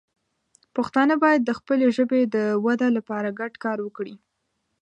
پښتانه باید د خپلې ژبې د وده لپاره ګډ کار وکړي.